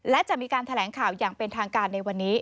และจะมีการแถลงข่าวอย่างเป็นทางการในวันนี้